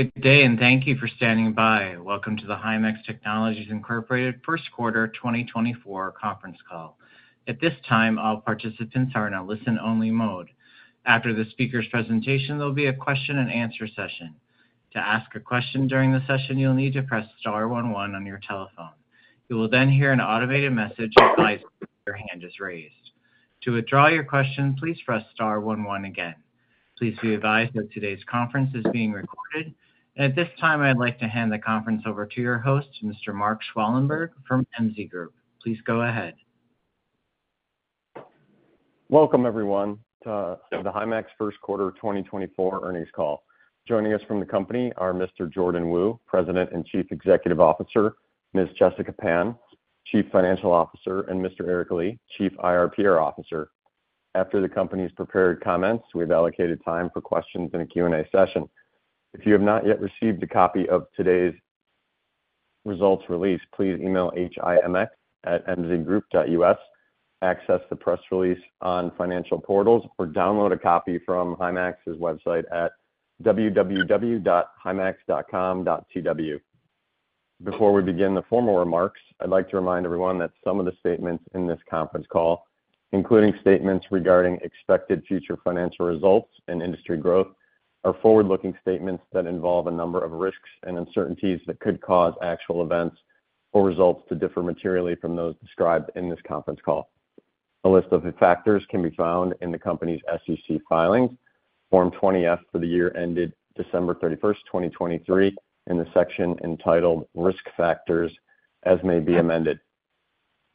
Good day, and thank you for standing by. Welcome to the Himax Technologies Incorporated First Quarter 2024 Conference Call. At this time, all participants are in a listen-only mode. After the speaker's presentation, there'll be a question-and-answer session. To ask a question during the session, you'll need to press star one one on your telephone. You will then hear an automated message advising that your hand is raised. To withdraw your question, please press star one one again. Please be advised that today's conference is being recorded. At this time, I'd like to hand the conference over to your host, Mr. Mark Schwalenberg from MZ Group. Please go ahead. Welcome everyone, to the Himax first quarter 2024 earnings call. Joining us from the company are Mr. Jordan Wu, President and Chief Executive Officer; Ms. Jessica Pan, Chief Financial Officer; and Mr. Eric Li, Chief IR/PR Officer. After the company's prepared comments, we've allocated time for questions in a Q&A session. If you have not yet received a copy of today's results release, please email himax@mzgroup.us, access the press release on financial portals, or download a copy from Himax's website at www.himax.com.tw. Before we begin the formal remarks, I'd like to remind everyone that some of the statements in this conference call, including statements regarding expected future financial results and industry growth, are forward-looking statements that involve a number of risks and uncertainties that could cause actual events or results to differ materially from those described in this conference call. A list of the factors can be found in the company's SEC filings, Form 20-F for the year ended December 31st, 2023, in the section entitled Risk Factors, as may be amended.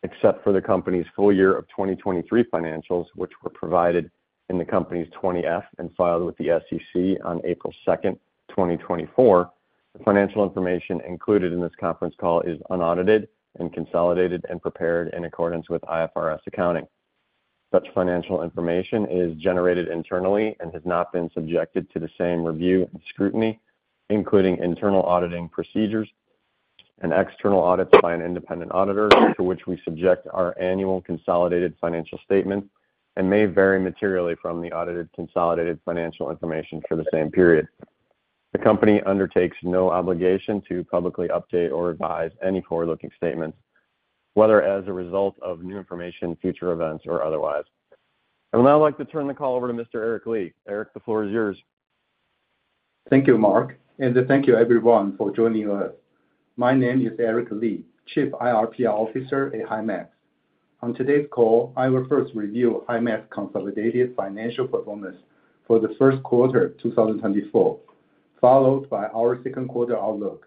Except for the company's full year of 2023 financials, which were provided in the company's 20-F and filed with the SEC on April 2, 2024, the financial information included in this conference call is unaudited and consolidated and prepared in accordance with IFRS accounting. Such financial information is generated internally and has not been subjected to the same review and scrutiny, including internal auditing procedures and external audits by an independent auditor, to which we subject our annual consolidated financial statement and may vary materially from the audited consolidated financial information for the same period. The company undertakes no obligation to publicly update or revise any forward-looking statements, whether as a result of new information, future events, or otherwise. I would now like to turn the call over to Mr. Eric Li. Eric, the floor is yours. Thank you, Mark, and thank you everyone for joining us. My name is Eric Li, Chief IR/PR Officer at Himax. On today's call, I will first review Himax's consolidated financial performance for the first quarter of 2024, followed by our second quarter outlook.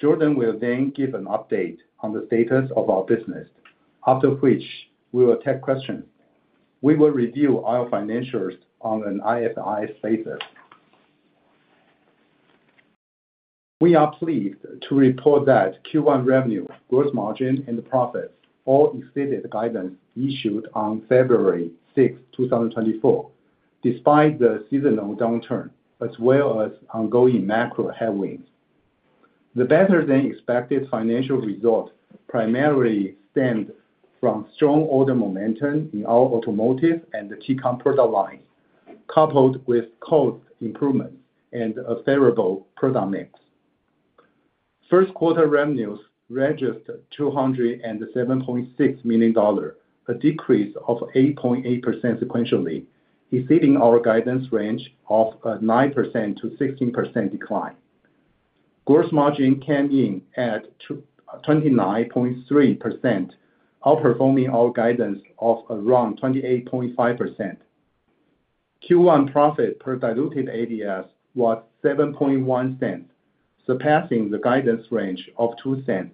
Jordan will then give an update on the status of our business, after which we will take questions. We will review our financials on an IFRS basis. We are pleased to report that Q1 revenue, gross margin, and profits all exceeded the guidance issued on February 6, 2024, despite the seasonal downturn as well as ongoing macro headwinds. The better-than-expected financial results primarily stemmed from strong order momentum in our automotive and the T-CON product lines, coupled with cost improvements and a favorable product mix. First quarter revenues registered $207.6 million, a decrease of 8.8% sequentially, exceeding our guidance range of 9%-16% decline. Gross margin came in at 29.3%, outperforming our guidance of around 28.5%. Q1 profit per diluted ADS was $0.071, surpassing the guidance range of $0.02-$0.05.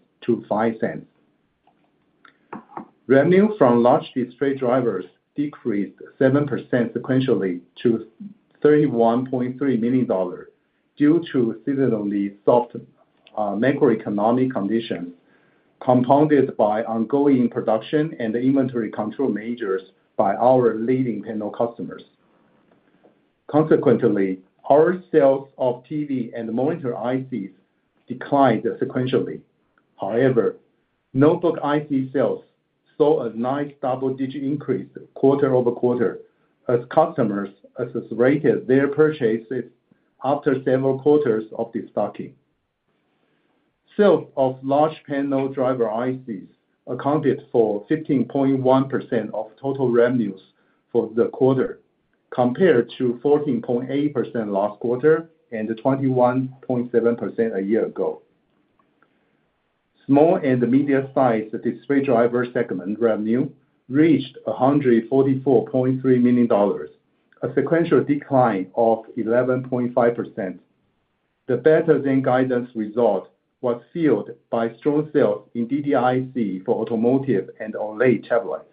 Revenue from large display drivers decreased 7% sequentially to $31.3 million, due to seasonally soft macroeconomic conditions, compounded by ongoing production and inventory control measures by our leading panel customers. Consequently, our sales of TV and monitor ICs declined sequentially. However, notebook IC sales saw a nice double-digit increase quarter-over-quarter as customers accelerated their purchases after several quarters of destocking. Sales of large panel driver ICs accounted for 15.1% of total revenues for the quarter, compared to 14.8% last quarter and 21.7% a year ago. Small and medium-sized display driver segment revenue reached $144.3 million, a sequential decline of 11.5%. The better-than-guidance result was fueled by strong sales in DDIC for automotive and OLED tablets.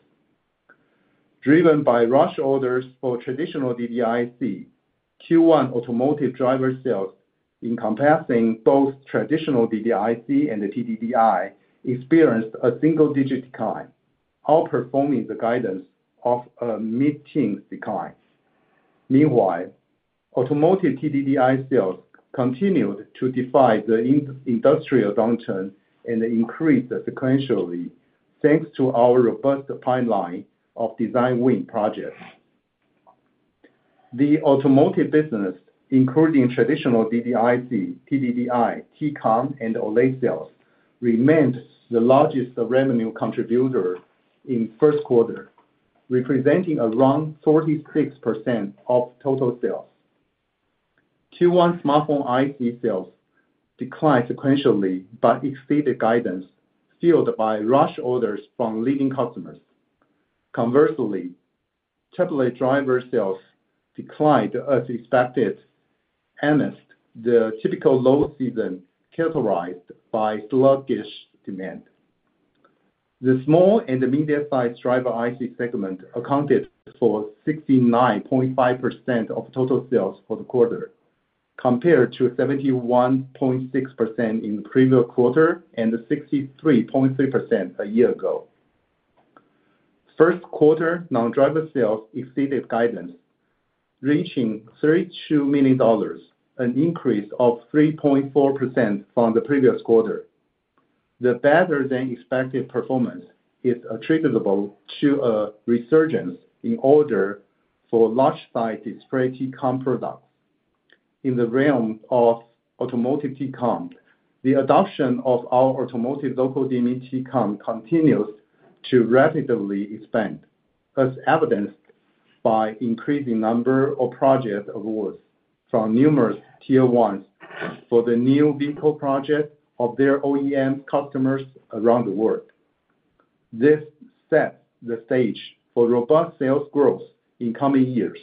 Driven by rush orders for traditional DDIC, Q1 automotive driver sales, encompassing both traditional DDIC and the TDDI, experienced a single-digit decline, outperforming the guidance of a mid-teens decline. Meanwhile, automotive TDDI sales continued to defy the industrial downturn and increased sequentially, thanks to our robust pipeline of design win projects. The automotive business, including traditional DDIC, TDDI, T-CON, and OLED sales, remained the largest revenue contributor in first quarter, representing around 46% of total sales. Q1 smartphone IC sales declined sequentially, but exceeded guidance, fueled by rush orders from leading customers. Conversely, tablet driver sales declined as expected, amidst the typical low season characterized by sluggish demand. The small and intermediate-sized driver IC segment accounted for 69.5% of total sales for the quarter, compared to 71.6% in the previous quarter, and 63.3% a year ago. First quarter, non-driver sales exceeded guidance, reaching $32 million, an increase of 3.4% from the previous quarter. The better-than-expected performance is attributable to a resurgence in orders for large-sized display T-CON products. In the realm of automotive T-CON, the adoption of our automotive local dimming T-CON continues to rapidly expand, as evidenced by increasing number of project awards from numerous Tier 1s for the new vehicle projects of their OEM customers around the world. This sets the stage for robust sales growth in coming years.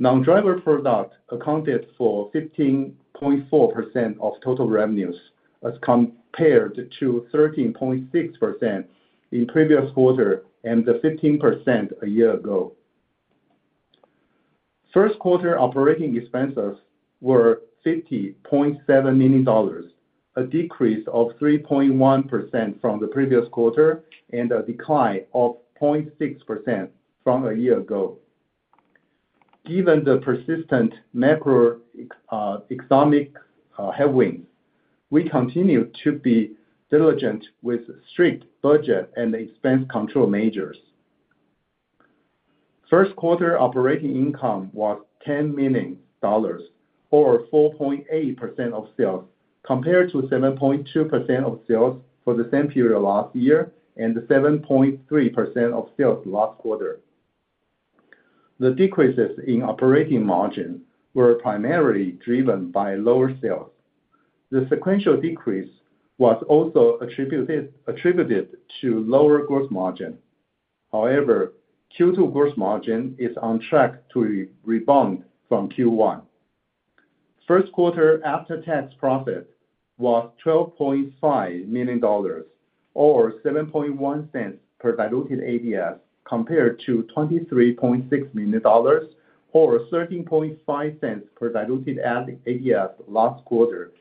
Non-driver product accounted for 15.4% of total revenues, as compared to 13.6% in previous quarter and the 15% a year ago. First quarter operating expenses were $50.7 million, a decrease of 3.1% from the previous quarter, and a decline of 0.6% from a year ago. Given the persistent macro economic headwinds, we continue to be diligent with strict budget and expense control measures. First quarter operating income was $10 million, or 4.8% of sales, compared to 7.2% of sales for the same period last year, and 7.3% of sales last quarter. The decreases in operating margin were primarily driven by lower sales. The sequential decrease was also attributed to lower gross margin. However, Q2 gross margin is on track to rebound from Q1. First quarter after-tax profit was $12.5 million, or 7.1 cents per diluted ADS, compared to $23.6 million, or 13.5 cents per diluted ADS last quarter,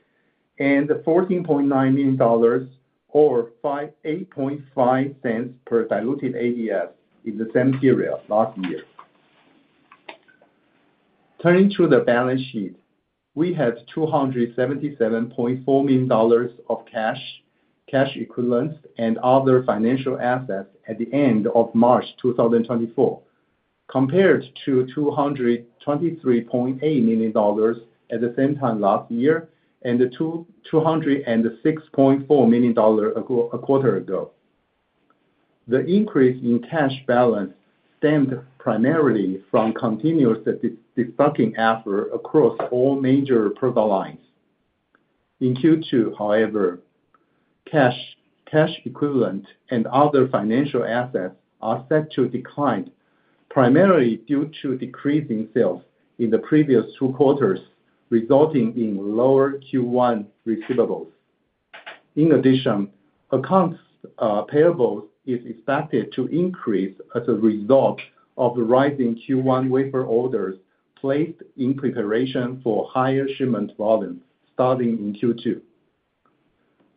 and $14.9 million, or 8.5 cents per diluted ADS in the same period last year. Turning to the balance sheet, we had $277.4 million of cash, cash equivalents, and other financial assets at the end of March 2024, compared to $223.8 million at the same time last year, and to $206.4 million a quarter ago. The increase in cash balance stemmed primarily from continuous destocking effort across all major product lines. In Q2, however, cash, cash equivalent, and other financial assets are set to decline, primarily due to decreasing sales in the previous two quarters, resulting in lower Q1 receivables. In addition, accounts payable is expected to increase as a result of the rise in Q1 wafer orders placed in preparation for higher shipment volumes starting in Q2.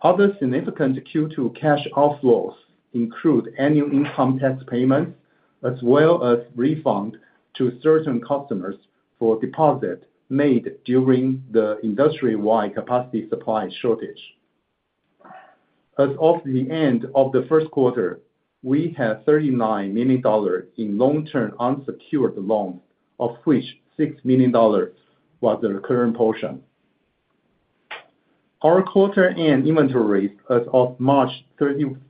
Other significant Q2 cash outflows include annual income tax payments, as well as refunds to certain customers for deposits made during the industry-wide capacity supply shortage. As of the end of the first quarter, we had $39 million in long-term unsecured loans, of which $6 million was the current portion. Our quarter-end inventory as of March 31st,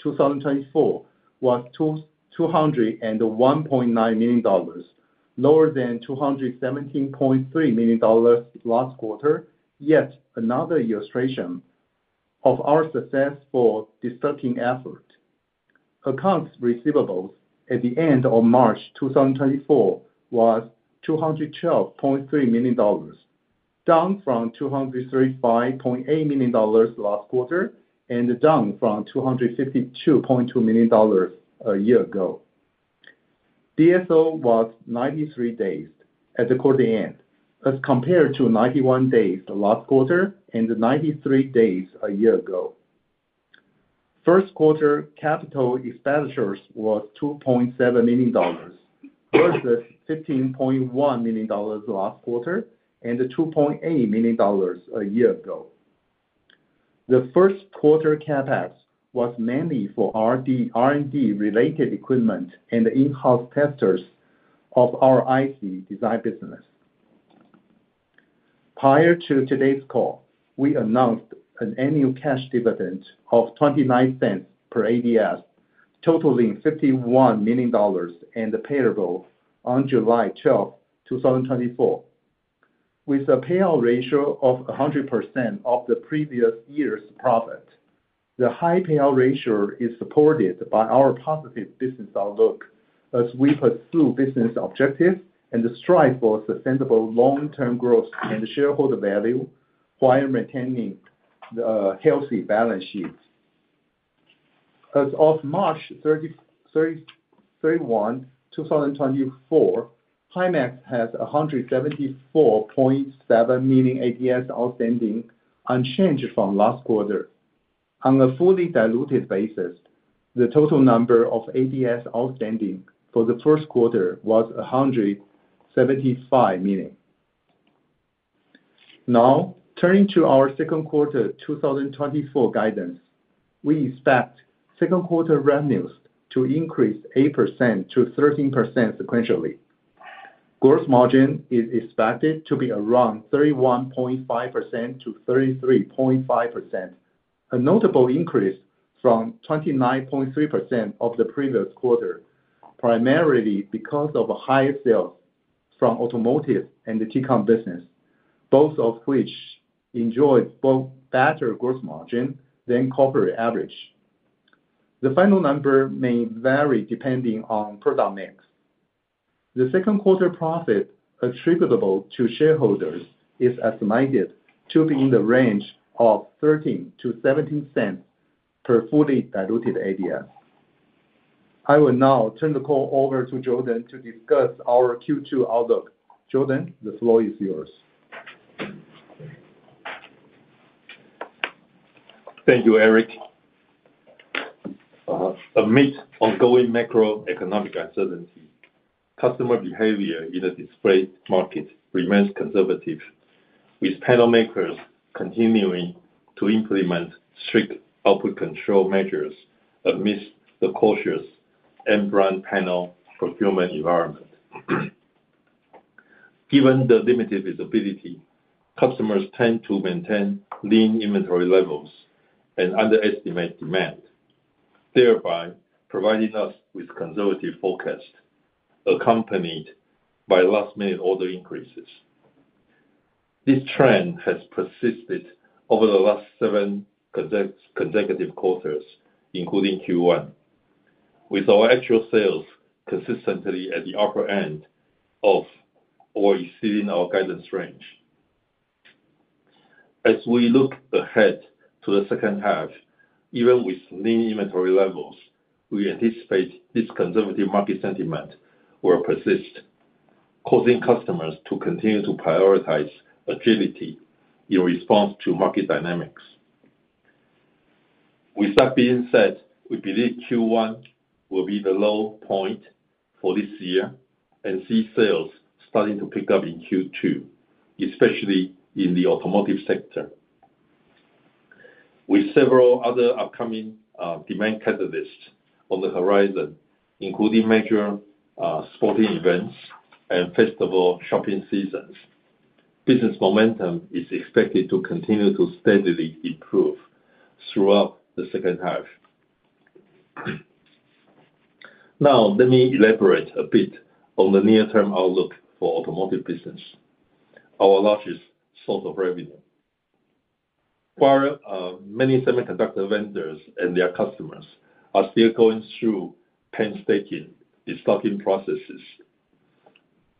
2024, was $201.9 million, lower than $217.3 million last quarter, yet another illustration of our success for the stocking effort. Accounts receivables at the end of March 2024 was $212.3 million, down from $235.8 million last quarter, and down from $252.2 million a year ago. DSO was 93 days at the quarter end, as compared to 91 days last quarter and 93 days a year ago. First quarter capital expenditures was $2.7 million versus $15.1 million last quarter, and $2.8 million a year ago. The first quarter CapEx was mainly for R&D, R&D-related equipment and in-house testers of our IC design business. Prior to today's call, we announced an annual cash dividend of $0.29 per ADS, totaling $51 million, and payable on July twelfth, 2024. With a payout ratio of 100% of the previous year's profit, the high payout ratio is supported by our positive business outlook as we pursue business objectives and strive for sustainable long-term growth and shareholder value while maintaining healthy balance sheets. As of March 31, 2024, Himax has 174.7 million ADS outstanding, unchanged from last quarter. On a fully diluted basis, the total number of ADS outstanding for the first quarter was 175 million. Now, turning to our second quarter 2024 guidance. We expect second quarter revenues to increase 8%-13% sequentially. Gross margin is expected to be around 31.5%-33.5%, a notable increase from 29.3% of the previous quarter, primarily because of higher sales from automotive and the T-CON business, both of which enjoyed both better gross margin than corporate average. The final number may vary depending on product mix. The second quarter profit attributable to shareholders is estimated to be in the range of $0.13-$0.17 per fully diluted ADS. I will now turn the call over to Jordan to discuss our Q2 outlook. Jordan, the floor is yours. Thank you, Eric. Amid ongoing macroeconomic uncertainty, customer behavior in the display market remains conservative, with panel makers continuing to implement strict output control measures amidst the cautious end brand panel procurement environment. Given the limited visibility, customers tend to maintain lean inventory levels and underestimate demand, thereby providing us with conservative forecasts accompanied by last-minute order increases. This trend has persisted over the last seven consecutive quarters, including Q1, with our actual sales consistently at the upper end of or exceeding our guidance range. As we look ahead to the second half, even with lean inventory levels, we anticipate this conservative market sentiment will persist, causing customers to continue to prioritize agility in response to market dynamics. With that being said, we believe Q1 will be the low point for this year and see sales starting to pick up in Q2, especially in the automotive sector. With several other upcoming demand catalysts on the horizon, including major sporting events and festival shopping seasons, business momentum is expected to continue to steadily improve throughout the second half. Now, let me elaborate a bit on the near-term outlook for automotive business, our largest source of revenue. While many semiconductor vendors and their customers are still going through painstaking restocking processes,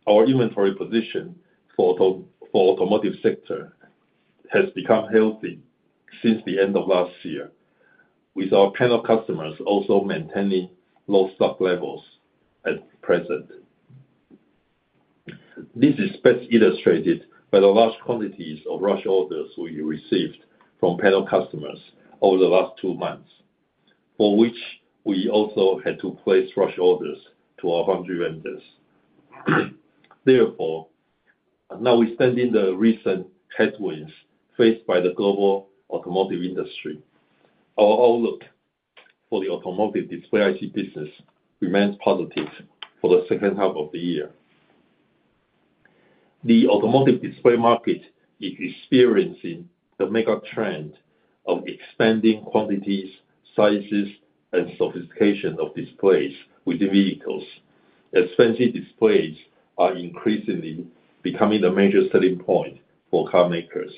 our inventory position for automotive sector has become healthy since the end of last year, with our panel customers also maintaining low stock levels at present. This is best illustrated by the large quantities of rush orders we received from panel customers over the last two months, for which we also had to place rush orders to our foundry vendors. Therefore, notwithstanding the recent headwinds faced by the global automotive industry, our outlook for the automotive display IC business remains positive for the second half of the year. The automotive display market is experiencing the mega trend of expanding quantities, sizes, and sophistication of displays within vehicles, as fancy displays are increasingly becoming the major selling point for car makers.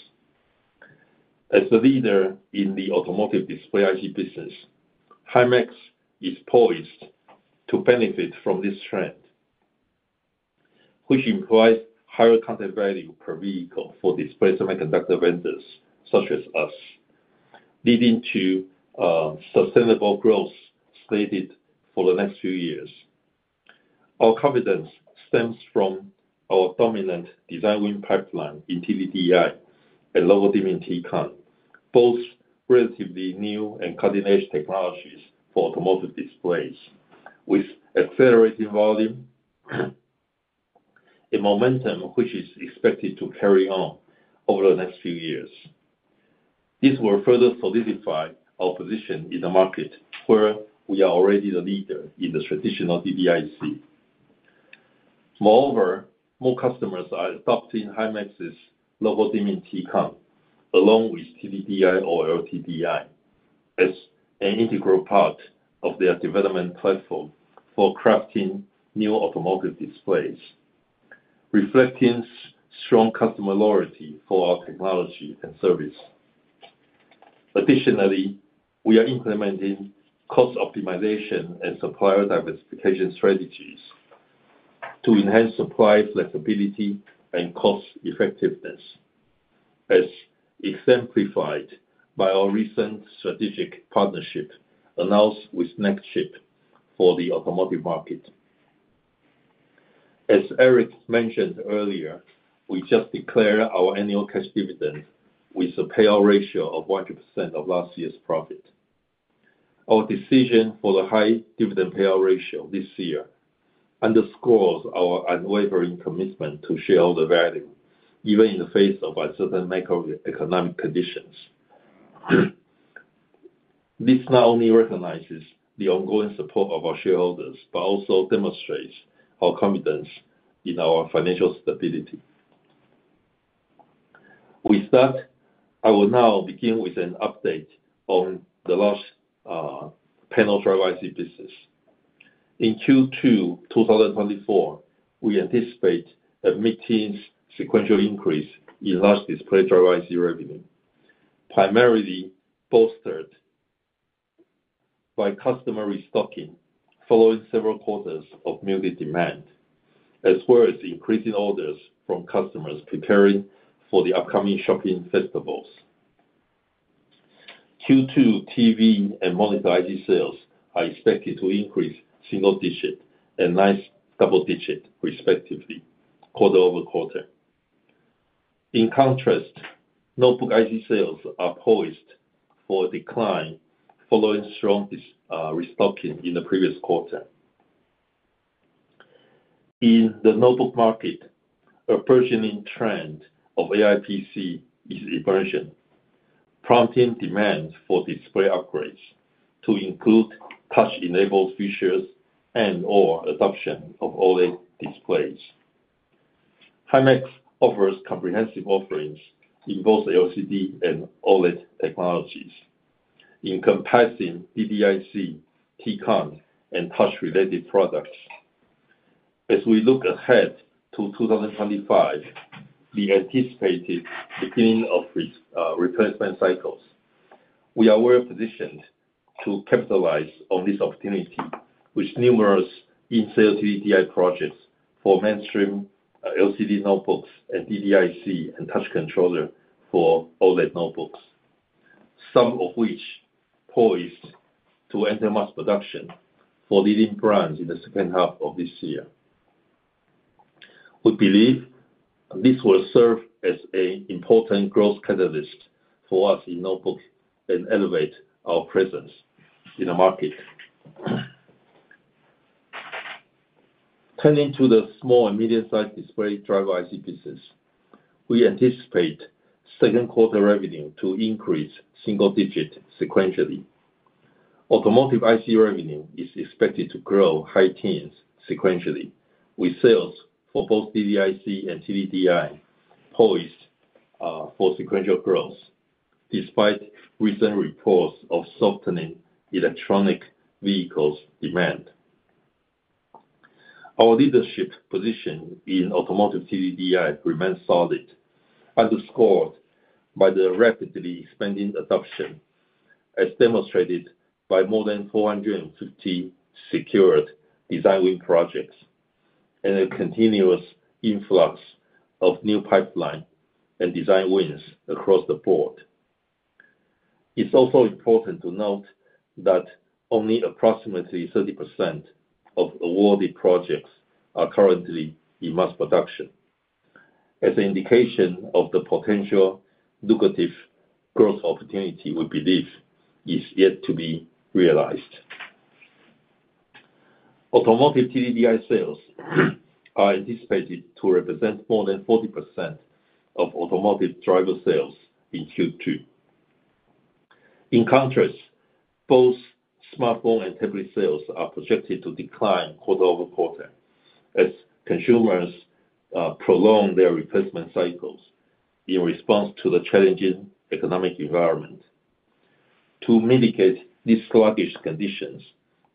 As the leader in the automotive display IC business, Himax is poised to benefit from this trend, which implies higher content value per vehicle for display semiconductor vendors such as us, leading to sustainable growth slated for the next few years. Our confidence stems from our dominant design win pipeline in TDDI and local dimming T-CON, both relatively new and cutting-edge technologies for automotive displays, with accelerating volume, a momentum which is expected to carry on over the next few years. These will further solidify our position in the market, where we are already the leader in the traditional DDIC. Moreover, more customers are adopting Himax's local dimming T-CON, along with TDDI or LTDI, as an integral part of their development platform for crafting new automotive displays, reflecting strong customer loyalty for our technology and service. Additionally, we are implementing cost optimization and supplier diversification strategies to enhance supply flexibility and cost effectiveness, as exemplified by our recent strategic partnership announced with Nexperia for the automotive market. As Eric mentioned earlier, we just declared our annual cash dividend with a payout ratio of 100% of last year's profit. Our decision for the high dividend payout ratio this year underscores our unwavering commitment to share all the value, even in the face of uncertain macroeconomic conditions. This not only recognizes the ongoing support of our shareholders, but also demonstrates our confidence in our financial stability. With that, I will now begin with an update on the large panel driver IC business. In Q2 2024, we anticipate a mid-teen sequential increase in large display driver IC revenue, primarily bolstered by customer restocking following several quarters of muted demand, as well as increasing orders from customers preparing for the upcoming shopping festivals. Q2 TV and monitor IC sales are expected to increase single-digit and high double-digit, respectively, quarter-over-quarter. In contrast, notebook IC sales are poised for a decline following strong restocking in the previous quarter. In the notebook market, a burgeoning trend of AI PC is emerging, prompting demands for display upgrades to include touch-enabled features and/or adoption of OLED displays. Himax offers comprehensive offerings in both LCD and OLED technologies, encompassing DDIC, T-CON, and touch-related products. As we look ahead to 2025, we anticipated beginning of replacement cycles. We are well positioned to capitalize on this opportunity with numerous in-cell DDIC projects for mainstream LCD notebooks and DDIC and touch controller for OLED notebooks, some of which poised to enter mass production for leading brands in the second half of this year. We believe this will serve as an important growth catalyst for us in notebooks and elevate our presence in the market. Turning to the small and medium-sized display driver IC business, we anticipate second quarter revenue to increase single-digit sequentially. Automotive IC revenue is expected to grow high-teens sequentially, with sales for both DDIC and TDDI poised for sequential growth, despite recent reports of softening electric vehicles demand. Our leadership position in automotive TDDI remains solid, underscored by the rapidly expanding adoption, as demonstrated by more than 450 secured design win projects and a continuous influx of new pipeline and design wins across the board. It's also important to note that only approximately 30% of awarded projects are currently in mass production, as an indication of the potential lucrative growth opportunity we believe is yet to be realized. Automotive TDDI sales are anticipated to represent more than 40% of automotive driver sales in Q2. In contrast, both smartphone and tablet sales are projected to decline quarter-over-quarter as consumers prolong their replacement cycles in response to the challenging economic environment. To mitigate these sluggish conditions,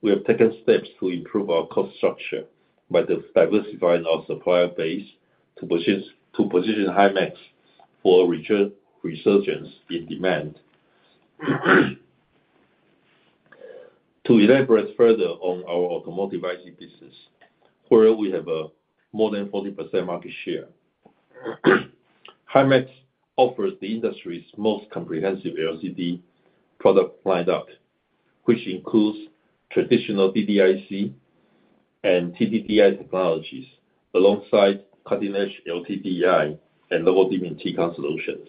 we have taken steps to improve our cost structure by diversifying our supplier base to position Himax for resurgence in demand. To elaborate further on our automotive IC business, where we have a more than 40% market share. Himax offers the industry's most comprehensive LCD product lineup, which includes traditional DDIC and TDDI technologies, alongside cutting-edge LTDI and local dimming T-CON solutions.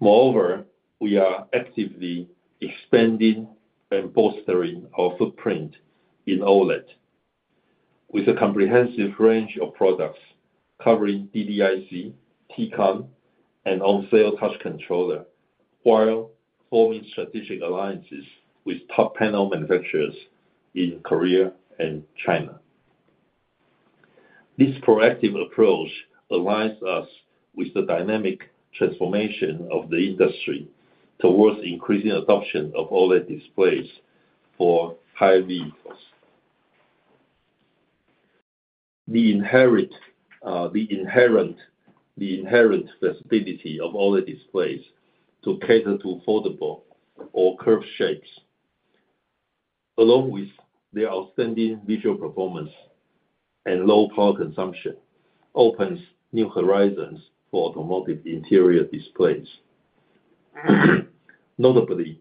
Moreover, we are actively expanding and bolstering our footprint in OLED, with a comprehensive range of products covering DDIC, T-CON, and on-cell touch controller, while forming strategic alliances with top panel manufacturers in Korea and China. This proactive approach aligns us with the dynamic transformation of the industry towards increasing adoption of OLED displays for high vehicles. The inherent flexibility of all the displays to cater to foldable or curved shapes, along with the outstanding visual performance and low power consumption, opens new horizons for automotive interior displays. Notably,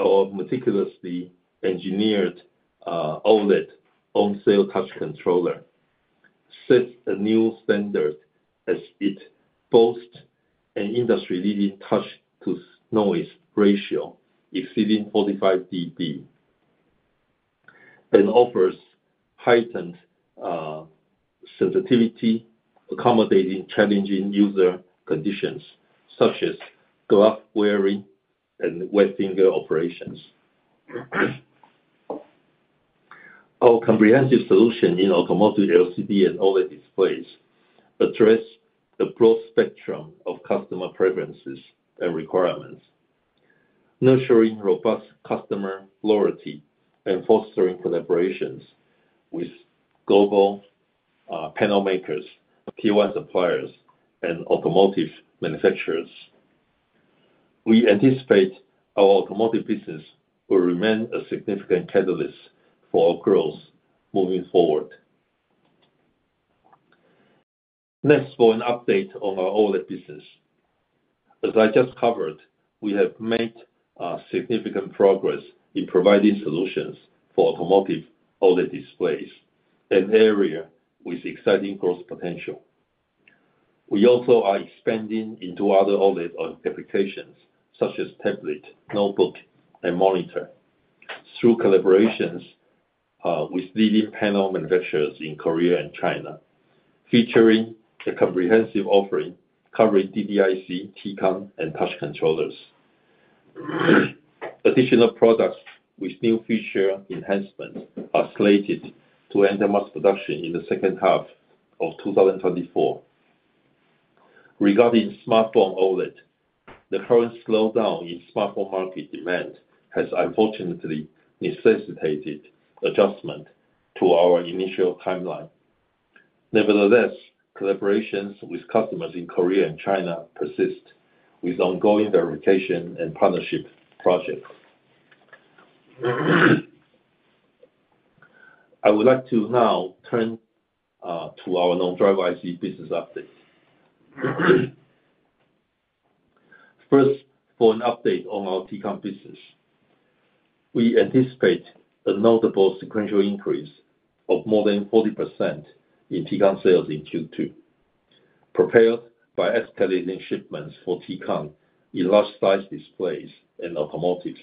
our meticulously engineered, OLED on-cell touch controller sets a new standard as it boasts an industry-leading touch to noise ratio, exceeding 45 dB, and offers heightened, sensitivity, accommodating challenging user conditions such as glove wearing and wet finger operations. Our comprehensive solution in automotive LCD and OLED displays address the broad spectrum of customer preferences and requirements, nurturing robust customer loyalty and fostering collaborations with global, panel makers, key wire suppliers, and automotive manufacturers. We anticipate our automotive business will remain a significant catalyst for our growth moving forward. Next, for an update on our OLED business. As I just covered, we have made, significant progress in providing solutions for automotive OLED displays, an area with exciting growth potential. We also are expanding into other OLED applications, such as tablet, notebook, and monitor. Through collaborations with leading panel manufacturers in Korea and China, featuring a comprehensive offering covering DDIC, T-CON, and touch controllers. Additional products with new feature enhancements are slated to enter mass production in the second half of 2024. Regarding smartphone OLED, the current slowdown in smartphone market demand has unfortunately necessitated adjustment to our initial timeline. Nevertheless, collaborations with customers in Korea and China persist, with ongoing verification and partnership projects. I would like to now turn to our non-driver IC business update. First, for an update on our T-CON business. We anticipate a notable sequential increase of more than 40% in T-CON sales in Q2, propelled by escalating shipments for T-CON in large size displays and automotives.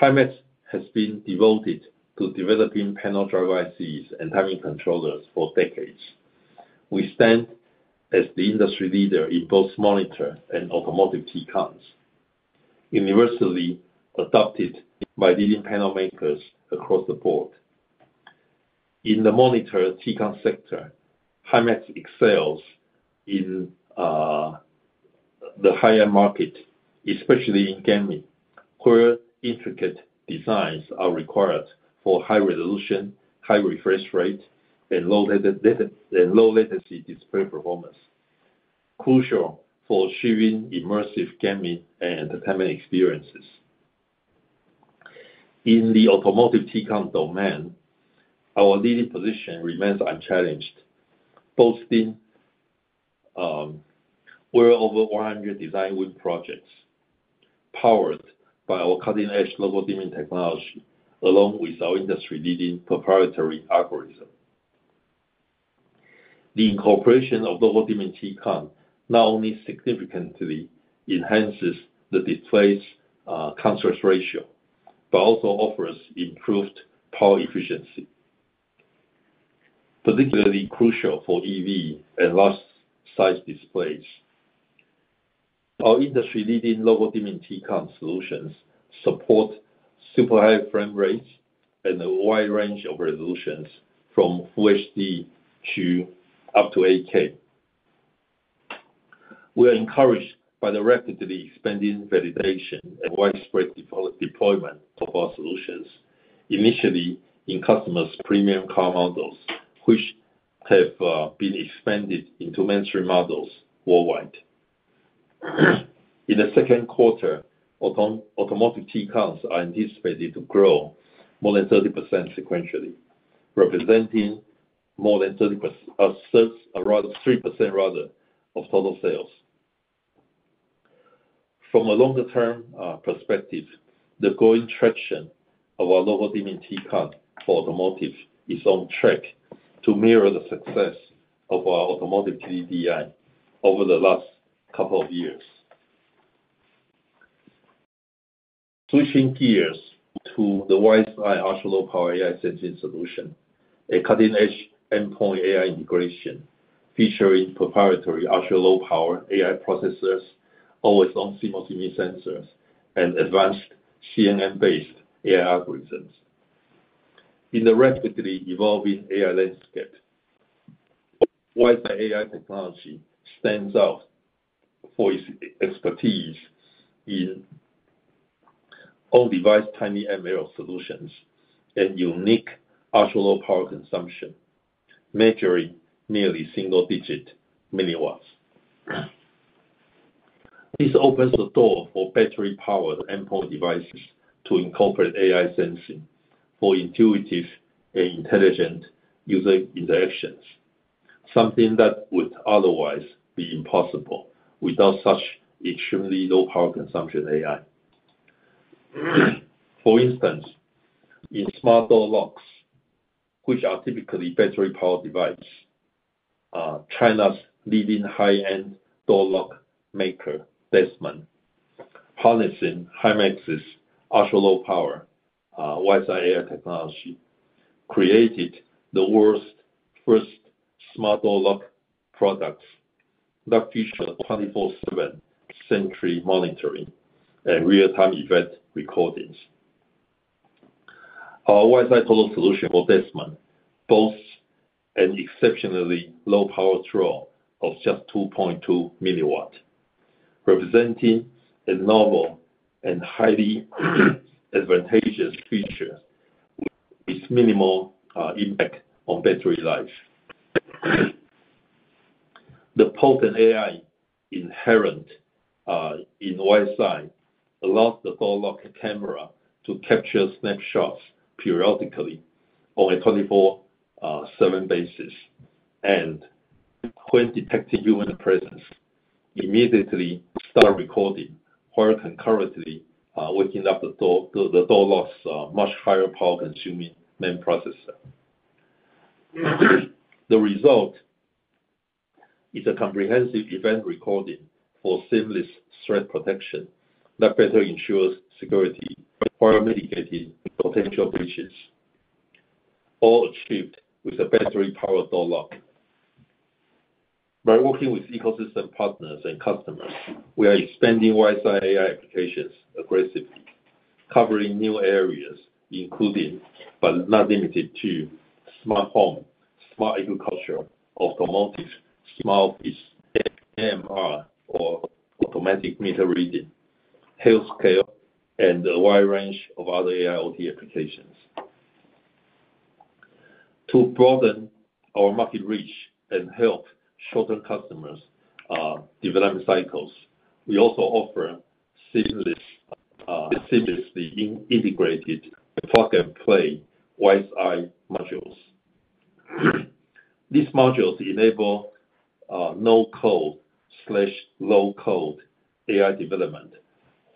Himax has been devoted to developing panel driver ICs and timing controllers for decades. We stand as the industry leader in both monitor and automotive T-CONs, universally adopted by leading panel makers across the board. In the monitor T-CON sector, Himax excels in the higher market, especially in gaming, where intricate designs are required for high resolution, high refresh rate, and low latency display performance, crucial for achieving immersive gaming and entertainment experiences. In the automotive T-CON domain, our leading position remains unchallenged, boasting well over 100 design win projects, powered by our cutting-edge local dimming technology, along with our industry-leading proprietary algorithm. The incorporation of the local dimming T-CON not only significantly enhances the display's contrast ratio, but also offers improved power efficiency, particularly crucial for EV and large size displays. Our industry-leading local dimming T-CON solutions support super high frame rates and a wide range of resolutions from HD to up to 8K. We are encouraged by the rapidly expanding validation and widespread deployment of our solutions, initially in customers' premium car models, which have been expanded into mainstream models worldwide. In the second quarter, automotive T-CONs are anticipated to grow more than 30% sequentially, representing more than 3% of total sales. From a longer-term perspective, the growing traction of our local dimming T-CON for automotive is on track to mirror the success of our automotive TDDI over the last couple of years. Switching gears to the WiseEye ultra-low power AI sensing solution, a cutting-edge endpoint AI integration featuring proprietary ultra-low power AI processors, always-on CMOS image sensors, and advanced CNN-based AI algorithms. In the rapidly evolving AI landscape, WiseEye AI technology stands out for its expertise in on-device tiny ML solutions and unique ultra-low power consumption, measuring merely single-digit milliwatts. This opens the door for battery-powered endpoint devices to incorporate AI sensing for intuitive and intelligent user interactions, something that would otherwise be impossible without such extremely low power consumption AI. For instance, in smart door locks, which are typically battery-powered device, China's leading high-end door lock maker, Dessmann, harnessing Himax's ultra-low power, WiseEye AI technology, created the world's first smart door lock products that feature 24/7 sentry monitoring and real-time event recordings. Our WiseEye total solution for Dessmann boasts an exceptionally low power draw of just 2.2 milliwatts, representing a novel and highly advantageous feature with its minimal impact on battery life. The potent AI inherent in WiseEye allows the door lock camera to capture snapshots periodically on a 24/7 basis, and when detecting human presence, immediately start recording while concurrently waking up the door lock's much higher power-consuming main processor. The result is a comprehensive event recording for seamless threat protection that better ensures security by mitigating potential breaches, all achieved with a battery-powered door lock. By working with ecosystem partners and customers, we are expanding WiseEye AI applications aggressively, covering new areas, including, but not limited to, smart home, smart agriculture, automotive, smart office, AMR, or automatic meter reading, healthcare, and a wide range of other AIoT applications. To broaden our market reach and help shorten customers' development cycles, we also offer seamlessly integrated plug-and-play WiseEye modules. These modules enable no-code/low-code AI development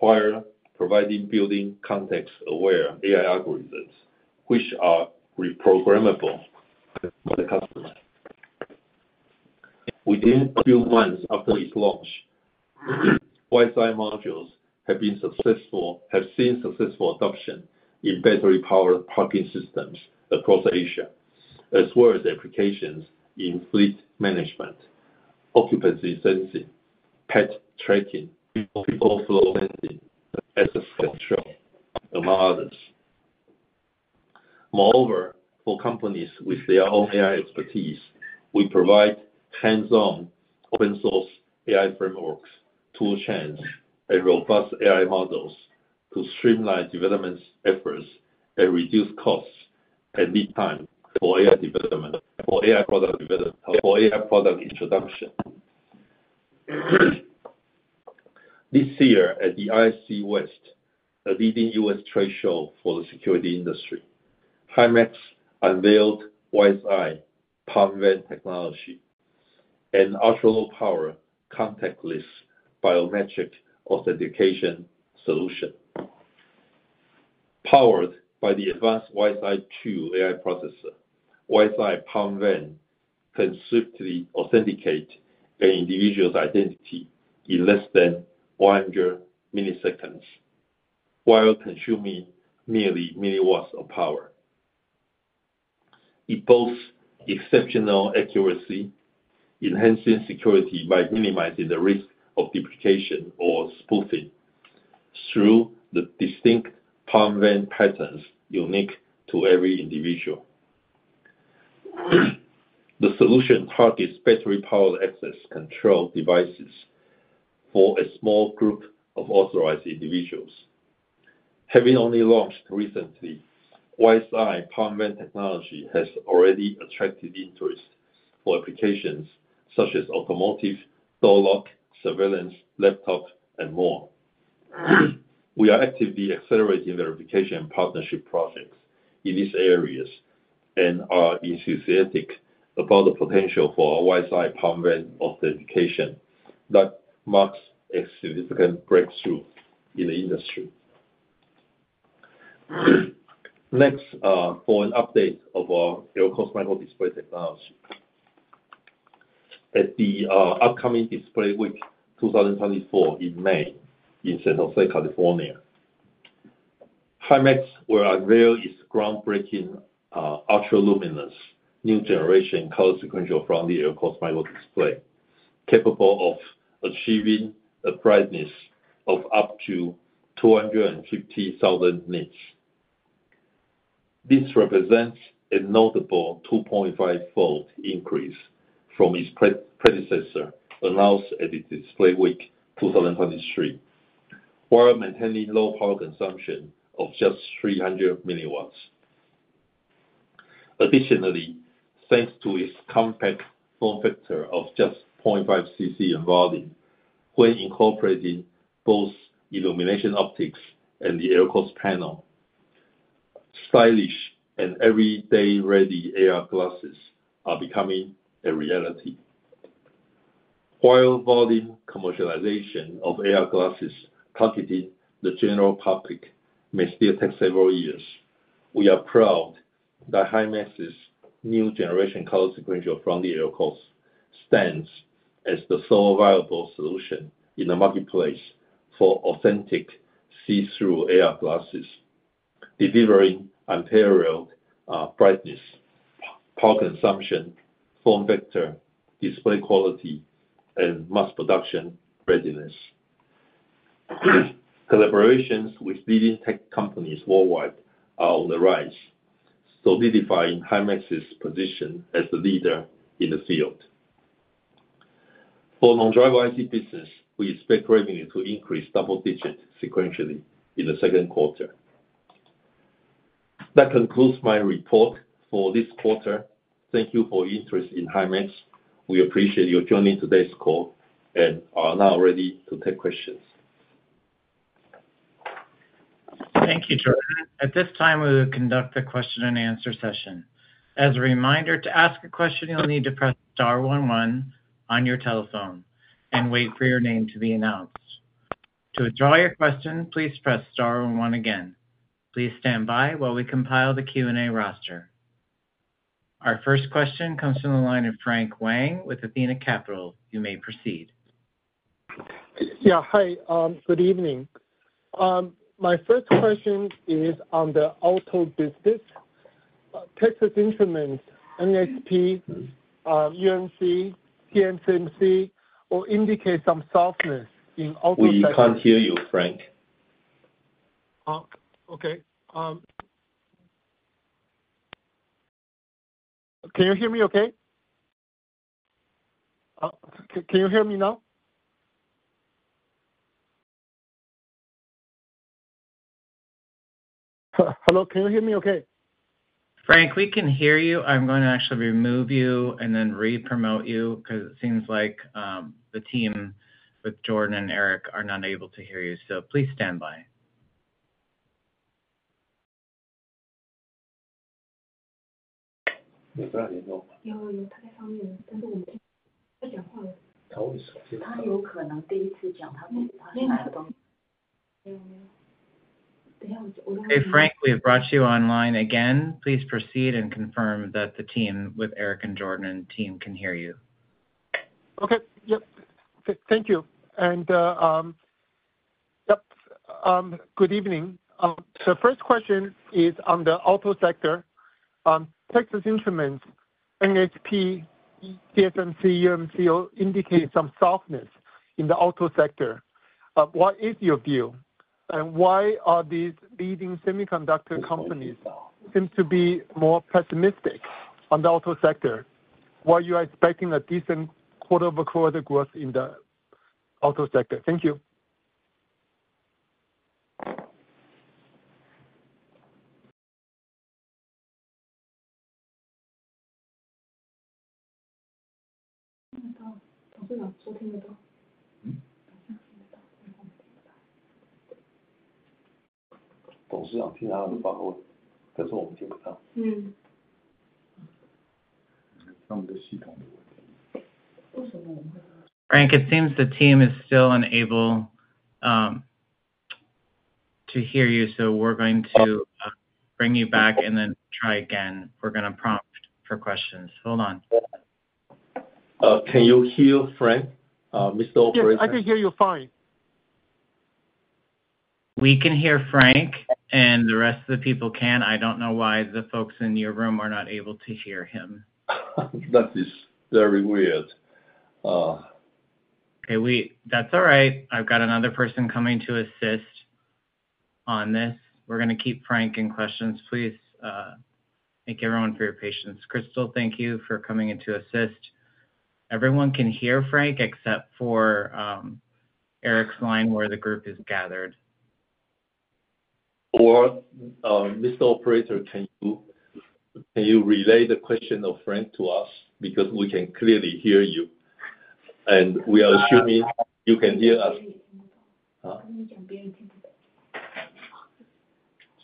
while providing building context-aware AI algorithms, which are reprogrammable by the customer. Within a few months after its launch, WiseEye modules have seen successful adoption in battery-powered parking systems across Asia, as well as applications in fleet management, occupancy sensing, pet tracking, people flow sensing, access control, among others. Moreover, for companies with their own AI expertise, we provide hands-on open source AI frameworks, tool chains, and robust AI models to streamline development efforts and reduce costs and lead time for AI development, for AI product development, for AI product introduction. This year at the ISC West, a leading U.S. trade show for the security industry, Himax unveiled WiseEye Palm Vein technology and ultra-low power contactless biometric authentication solution. Powered by the advanced WiseEye 2 AI processor, WiseEye Palm Vein can swiftly authenticate an individual's identity in less than 100 milliseconds, while consuming merely milliwatts of power. It boasts exceptional accuracy, enhancing security by minimizing the risk of duplication or spoofing through the distinct palm vein patterns unique to every individual. The solution targets battery-powered access control devices for a small group of authorized individuals. Having only launched recently, WiseEye Palm Vein technology has already attracted interest for applications such as automotive, door lock, surveillance, laptop, and more. We are actively accelerating verification and partnership projects in these areas... and are enthusiastic about the potential for our WiseEye Palm Vein authentication. That marks a significant breakthrough in the industry. Next, for an update of our LCoS microdisplay technology. At the upcoming Display Week 2024 in May, in San Jose, California, Himax will unveil its groundbreaking ultra-luminous new generation color sequential front-lit LCoS microdisplay, capable of achieving a brightness of up to 250,000 nits. This represents a notable 2.5-fold increase from its predecessor, announced at the Display Week 2023, while maintaining low power consumption of just 300 mW. Additionally, thanks to its compact form factor of just 0.5 cc in volume, when incorporating both illumination, optics, and the LCoS panel, stylish and everyday-ready AR glasses are becoming a reality. While volume commercialization of AR glasses targeting the general public may still take several years, we are proud that Himax's new generation color sequential front-lit LCoS stands as the sole viable solution in the marketplace for authentic see-through AR glasses, delivering superior brightness, power consumption, form factor, display quality, and mass production readiness. Collaborations with leading tech companies worldwide are on the rise, solidifying Himax's position as the leader in the field. For non-driver IC business, we expect revenue to increase double digits sequentially in the second quarter. That concludes my report for this quarter. Thank you for your interest in Himax. We appreciate you joining today's call and are now ready to take questions. Thank you, Jordan. At this time, we will conduct a question and answer session. As a reminder, to ask a question, you'll need to press star one one on your telephone and wait for your name to be announced. To withdraw your question, please press star one one again. Please stand by while we compile the Q&A roster. Our first question comes from the line of Frank Wang with Athena Capital. You may proceed. Yeah. Hi, good evening. My first question is on the auto business. Texas Instruments, NXP, UMC, TSMC will indicate some softness in auto sector. We can't hear you, Frank. Okay. Can you hear me okay? Can you hear me now? Hello, can you hear me okay? Frank, we can hear you. I'm going to actually remove you and then repromote you, because it seems like the team with Jordan and Eric are not able to hear you. So please stand by. Hey, Frank, we have brought you online again. Please proceed and confirm that the team with Eric and Jordan and team can hear you. Okay. Yep. Thank you. And, good evening. So first question is on the auto sector. Texas Instruments, NXP, TSMC, UMC indicate some softness in the auto sector. What is your view, and why are these leading semiconductor companies seem to be more pessimistic on the auto sector? While you are expecting a decent quarter-over-quarter growth in the auto sector. Thank you. Frank, it seems the team is still unable to hear you, so we're going to bring you back and then try again. We're gonna prompt for questions. Hold on. Can you hear Frank, Mr. Operator? Yes, I can hear you fine. We can hear Frank, and the rest of the people can. I don't know why the folks in your room are not able to hear him. That is very weird. Okay, that's all right. I've got another person coming to assist on this. We're gonna keep Frank in questions. Please thank everyone for your patience. Crystal, thank you for coming in to assist. Everyone can hear Frank, except for Eric's line, where the group is gathered. Or, Mr. Operator, can you, can you relay the question of Frank to us? Because we can clearly hear you. And we are assuming you can hear us? Huh?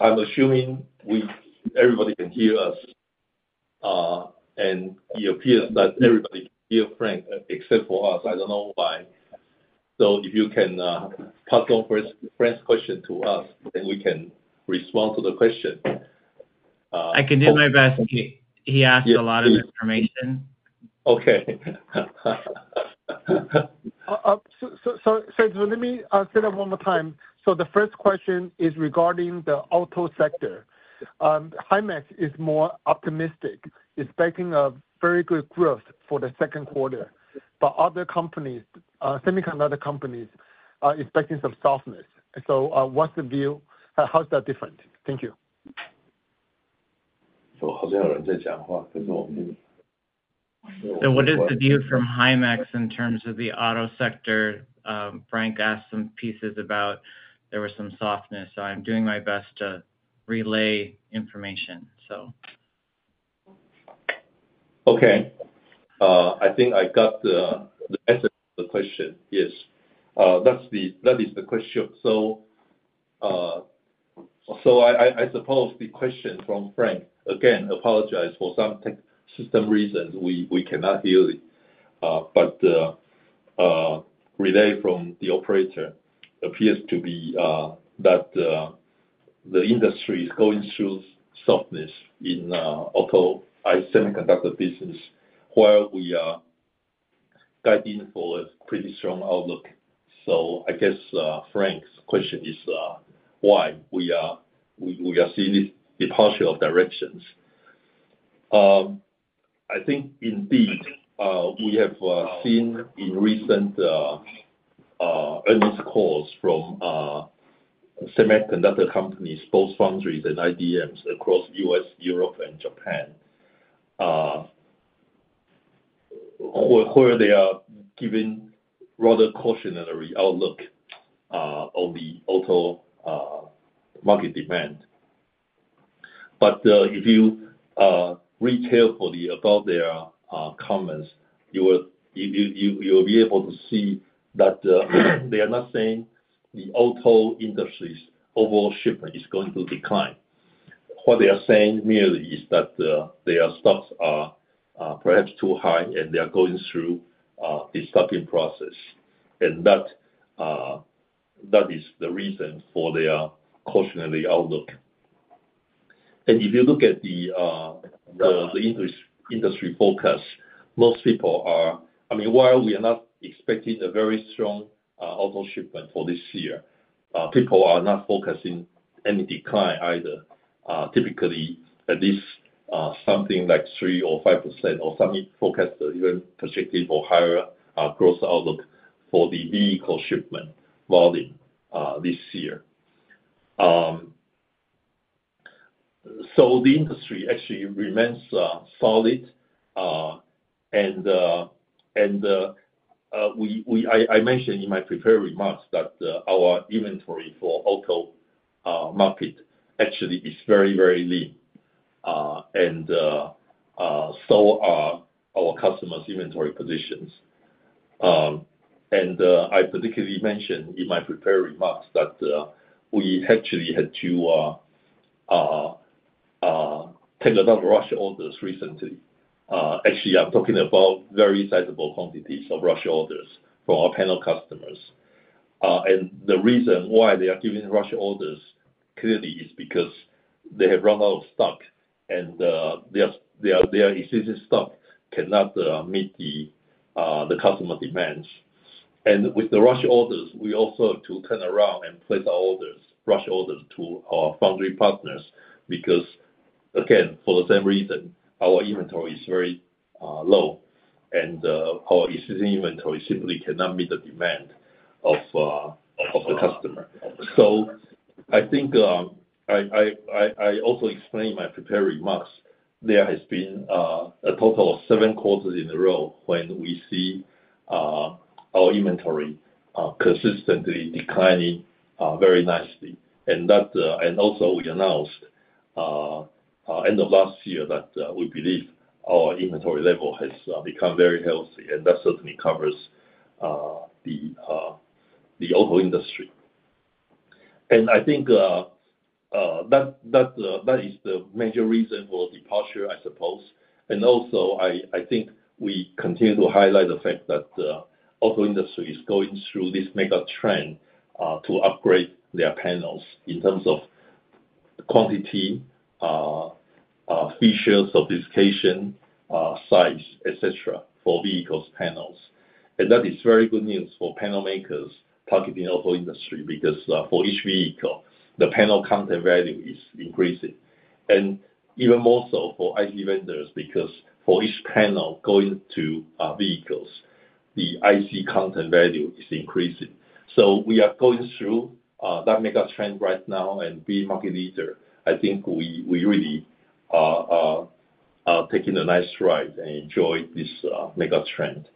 I'm assuming we, everybody can hear us, and it appears that everybody can hear Frank, except for us. I don't know why. So if you can, pass on Frank's, Frank's question to us, then we can respond to the question. I can do my best. He, he asked a lot of information. Okay. Let me say that one more time. So the first question is regarding the auto sector. Himax is more optimistic, expecting a very good growth for the second quarter. But other companies, semiconductor companies, are expecting some softness. So, what's the view? How's that different? Thank you. So what is the view from Himax in terms of the auto sector? Frank asked some pieces about there was some softness, so I'm doing my best to relay information, so. Okay. I think I got the, the essence of the question. Yes. That's the, that is the question. So, so I suppose the question from Frank, again, apologize for some tech system reasons, we cannot hear it. But the relay from the operator appears to be, that the industry is going through softness in, auto, semiconductor business, while we are guiding for a pretty strong outlook. So I guess, Frank's question is, why we are seeing the departure of directions. I think indeed, we have seen in recent earnings calls from, semiconductor companies, both foundries and IDMs across U.S., Europe and Japan, where they are giving rather cautionary outlook, on the auto, market demand. But if you read carefully about their comments, you will be able to see that they are not saying the auto industry's overall shipment is going to decline. What they are saying merely is that their stocks are perhaps too high, and they are going through the stocking process. And that is the reason for their cautionary outlook. And if you look at the industry focus, most people are—I mean, while we are not expecting a very strong auto shipment for this year, people are not focusing any decline either. Typically, at least, something like 3% or 5% or some forecasters even projecting for higher growth outlook for the vehicle shipment volume this year. So the industry actually remains solid. And I mentioned in my prepared remarks that our inventory for auto market actually is very, very lean, and so are our customers' inventory positions. And I particularly mentioned in my prepared remarks that we actually had to take a lot of rush orders recently. Actually, I'm talking about very sizable quantities of rush orders for our panel customers. And the reason why they are giving rush orders, clearly, is because they have run out of stock and their existing stock cannot meet the customer demands. And with the rush orders, we also have to turn around and place our orders, rush orders to our foundry partners, because, again, for the same reason, our inventory is very low, and our existing inventory simply cannot meet the demand of the customer. So I think, I also explained in my prepared remarks, there has been a total of seven quarters in a row when we see our inventory consistently declining very nicely. And that, and also we announced end of last year, that we believe our inventory level has become very healthy, and that certainly covers the auto industry. And I think that is the major reason for departure, I suppose. And also, I think we continue to highlight the fact that the auto industry is going through this mega trend to upgrade their panels in terms of quantity, features, sophistication, size, et cetera, for vehicles' panels. And that is very good news for panel makers targeting the auto industry, because for each vehicle, the panel content value is increasing. And even more so for IC vendors, because for each panel going to vehicles, the IC content value is increasing. So we are going through that mega trend right now and being market leader, I think we really are taking a nice ride and enjoy this mega trend.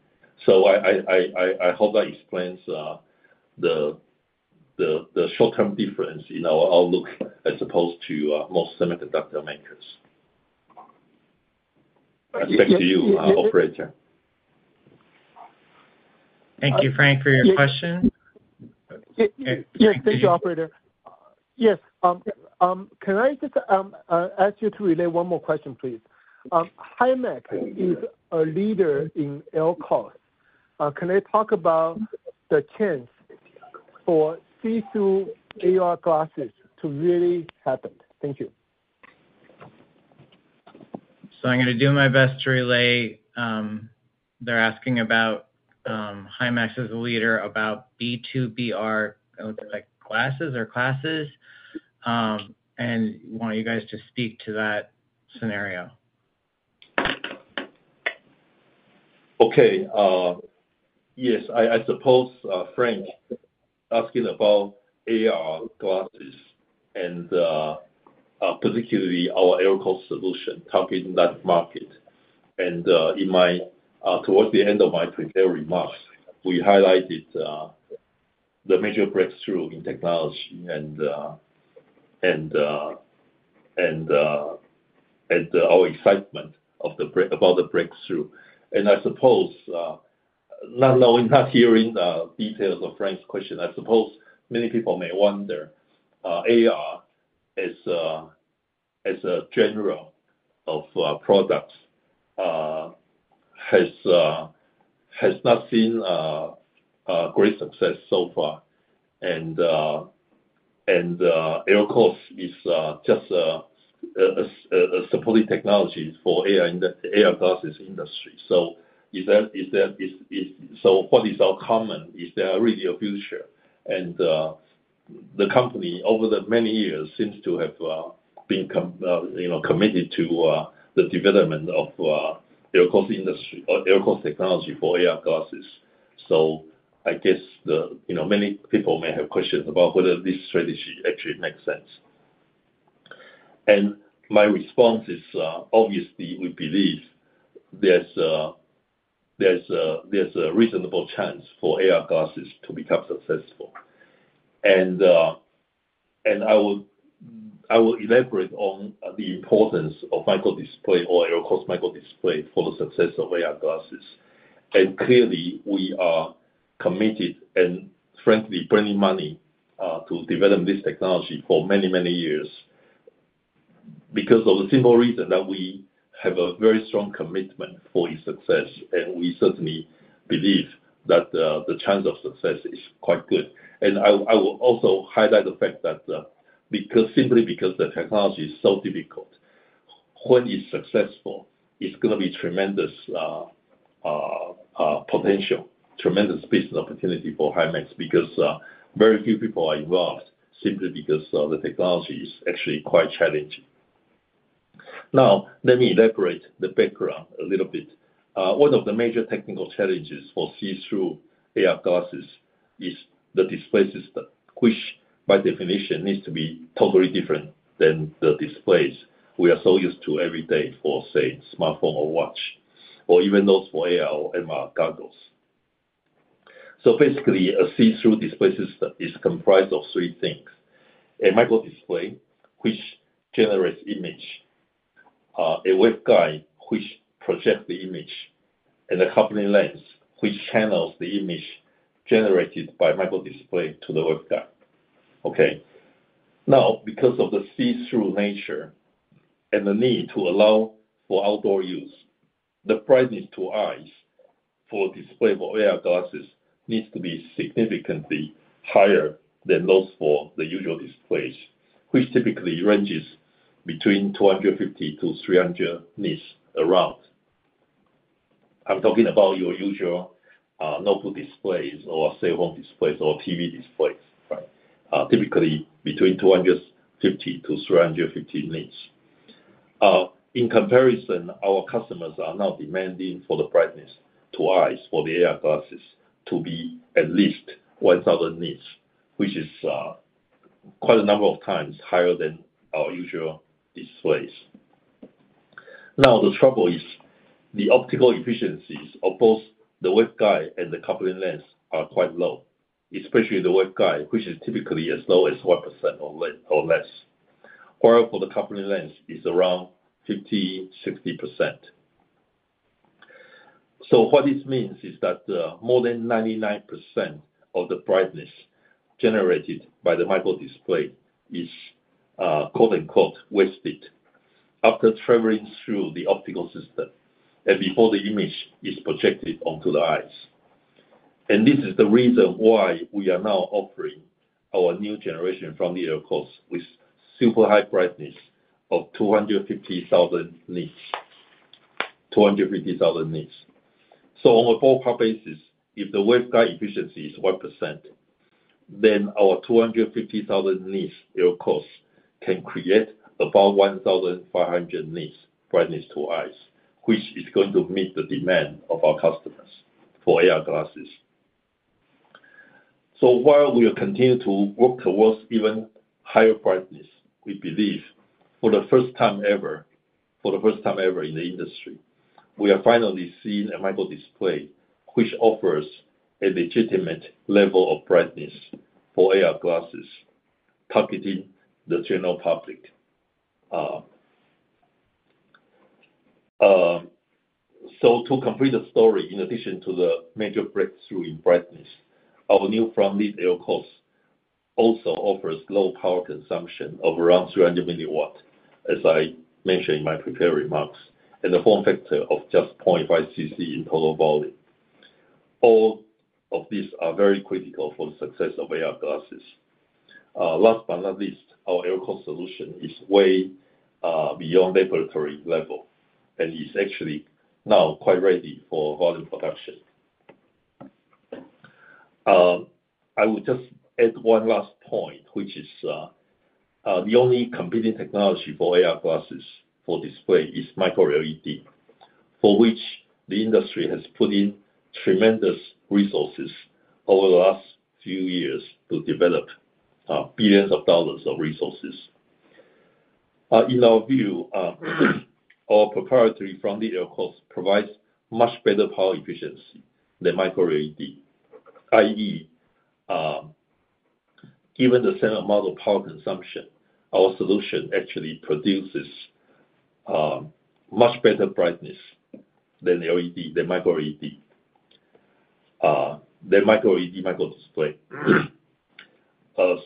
So I hope that explains the short-term difference in our outlook as opposed to most semiconductor makers. Thanks to you, operator. Thank you, Frank, for your question. Yes, thank you, operator. Yes, can I just ask you to relay one more question, please? Himax is a leader in LCoS. Can I talk about the chance for see-through AR glasses to really happen? Thank you. I'm gonna do my best to relay. They're asking about Himax as a leader about AR glasses, and want you guys to speak to that scenario. Okay, yes, I suppose Frank asking about AR glasses and particularly our LCoS solution targeting that market. And in my towards the end of my prepared remarks, we highlighted the major breakthrough in technology and our excitement about the breakthrough. And I suppose not knowing, not hearing the details of Frank's question, I suppose many people may wonder AR as a general of products has not seen a great success so far. And airCOS is just a supporting technology for AR and the AR glasses industry. So is there -- So what is our common? Is there really a future? The company, over the many years, seems to have, you know, committed to the development of LCoS industry, or LCoS technology for AR glasses. So I guess the, you know, many people may have questions about whether this strategy actually makes sense. And my response is, obviously, we believe there's a reasonable chance for AR glasses to become successful. And I will elaborate on the importance of microdisplay or LCoS microdisplay for the success of AR glasses. And clearly, we are committed and frankly, printing money to develop this technology for many, many years. Because of the simple reason that we have a very strong commitment for its success, and we certainly believe that the chance of success is quite good. I will also highlight the fact that, because, simply because the technology is so difficult, when it's successful, it's gonna be tremendous potential, tremendous business opportunity for Himax, because very few people are involved, simply because the technology is actually quite challenging. Now, let me elaborate the background a little bit. One of the major technical challenges for see-through AR glasses is the display system, which, by definition, needs to be totally different than the displays we are so used to every day for, say, smartphone or watch, or even those for AR or MR goggles. So basically, a see-through display system is comprised of three things: a microdisplay, which generates image, a waveguide, which projects the image, and a coupling lens, which channels the image generated by microdisplay to the waveguide. Okay. Now, because of the see-through nature and the need to allow for outdoor use, the brightness to eyes for display of AR glasses needs to be significantly higher than those for the usual displays, which typically ranges between 250-300 nits around. I'm talking about your usual notebook displays or, say, home displays or TV displays, right? Typically between 250-350 nits. In comparison, our customers are now demanding for the brightness to eyes for the AR glasses to be at least 1,000 nits, which is quite a number of times higher than our usual displays. Now, the trouble is, the optical efficiencies of both the waveguide and the coupling lens are quite low, especially the waveguide, which is typically as low as 1% or less. Where the coupling lens is around 50-60%. So what this means is that, more than 99% of the brightness generated by the microdisplay is, quote, unquote, "wasted" after traveling through the optical system and before the image is projected onto the eyes. And this is the reason why we are now offering our new generation front-lit LCoS, with super high brightness of 250,000 nits, 250,000 nits. So on a pro rata basis, if the waveguide efficiency is 1%, then our 250,000 nits LCoS can create about 1,500 nits brightness to eyes, which is going to meet the demand of our customers for AR glasses. So while we continue to work towards even higher brightness, we believe for the first time ever, for the first time ever in the industry, we are finally seeing a microdisplay, which offers a legitimate level of brightness for AR glasses... targeting the general public. So to complete the story, in addition to the major breakthrough in brightness, our new front-lit LCOS also offers low power consumption of around 300 mW, as I mentioned in my prepared remarks, and a form factor of just 0.5 cc in total volume. All of these are very critical for the success of AR glasses. Last but not least, our LCOS solution is way beyond laboratory level and is actually now quite ready for volume production. I would just add one last point, which is, the only competing technology for AR glasses for display is Micro LED, for which the industry has put in tremendous resources over the last few years to develop, billions of dollars of resources. In our view, our proprietary front-lit LCoS provides much better power efficiency than Micro LED. i.e., given the same amount of power consumption, our solution actually produces, much better brightness than the LED, the Micro LED, the Micro LED microdisplay.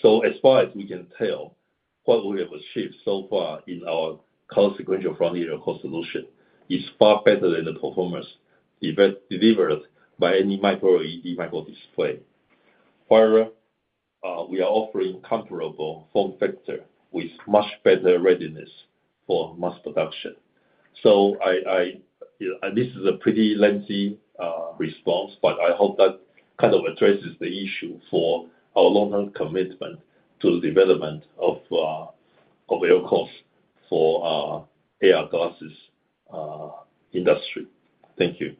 So as far as we can tell, what we have achieved so far in our sequential front-lit LCoS solution is far better than the performance even delivered by any Micro LED microdisplay. Further, we are offering comparable form factor with much better readiness for mass production. This is a pretty lengthy response, but I hope that kind of addresses the issue for our long-term commitment to the development of LCoS for AR glasses industry. Thank you.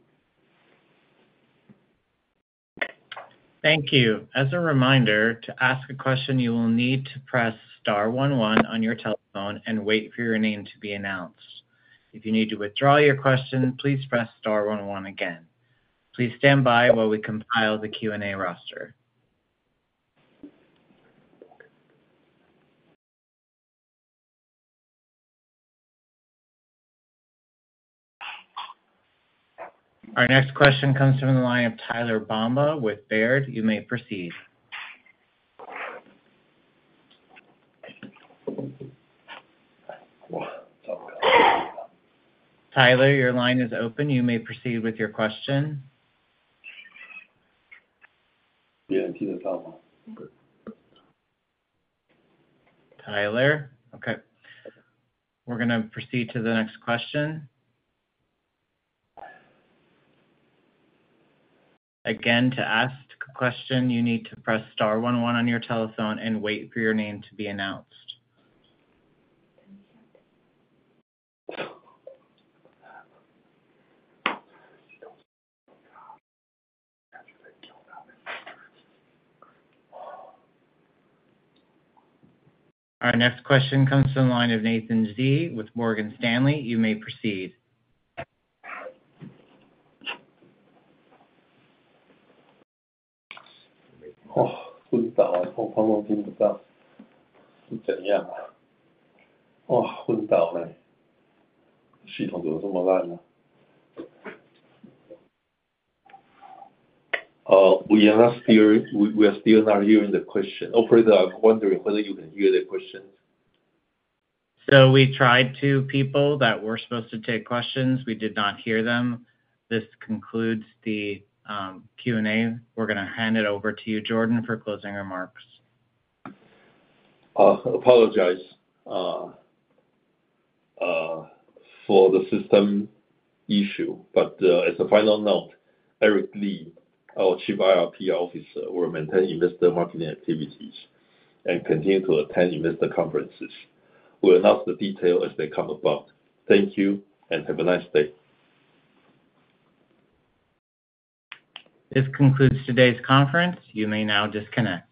Thank you. As a reminder, to ask a question, you will need to press star one one on your telephone and wait for your name to be announced. If you need to withdraw your question, please press star one one again. Please stand by while we compile the Q&A roster. Our next question comes from the line of Tyler Bomba with Baird. You may proceed. Tyler, your line is open. You may proceed with your question. Yeah, Tyler Bomba. Tyler? Okay. We're gonna proceed to the next question. Again, to ask a question, you need to press star one one on your telephone and wait for your name to be announced. Our next question comes from the line of Nathan Z with Morgan Stanley. You may proceed. Oh, we are still not hearing the question. Operator, I'm wondering whether you can hear the questions. We tried two people that were supposed to take questions. We did not hear them. This concludes the Q&A. We're gonna hand it over to you, Jordan, for closing remarks. Apologize for the system issue, but as a final note, Eric Li, our Chief IR/PR Officer, will maintain investor marketing activities and continue to attend investor conferences. We'll announce the details as they come about. Thank you, and have a nice day. This concludes today's conference. You may now disconnect.